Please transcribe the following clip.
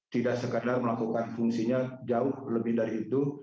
tidak sekadar melakukan fungsinya jauh lebih dari itu